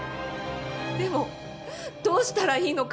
でもどうしたらいいのか